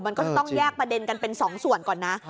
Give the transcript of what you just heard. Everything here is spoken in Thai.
มันก็จะต้องแยกประเด็นกันเป็นสองส่วนก่อนนะ